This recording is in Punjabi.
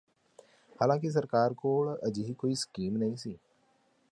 ਹਾਲਾਂਕਿ ਸਰਕਾਰ ਕੋਲ ਅਜਿਹੀ ਕੋਈ ਸਕੀਮ ਨਹੀਂ ਸੀ